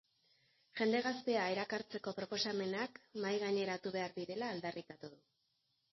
Jende gaztea erakartzeko proposamenak mahaigaineratu behar direla aldarrikatu du.